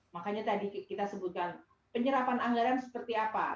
makanya tadi kita sebutkan penyerapan anggaran seperti apa